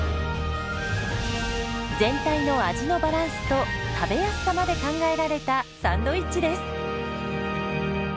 全体の味のバランスと食べやすさまで考えられたサンドイッチです。